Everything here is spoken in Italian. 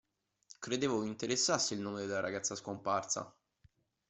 Credevo vi interessasse il nome della ragazza scomparsa.